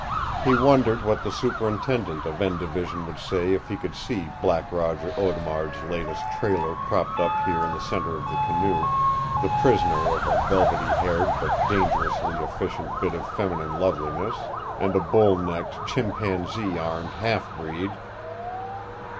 He wondered what the superintendent of "N" Division would say if he could see Black Roger Audemard's latest trailer propped up here in the center of the canoe, the prisoner of a velvety haired but dangerously efficient bit of feminine loveliness and a bull necked, chimpanzee armed half breed!